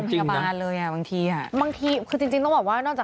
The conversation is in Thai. ขายตรงจริงนะ